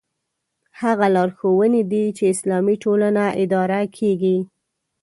هغه لارښوونې دي چې اسلامي ټولنه اداره کېږي.